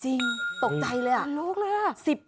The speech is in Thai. จริงตกใจเลยอ่ะ